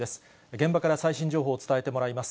現場から最新情報を伝えてもらいます。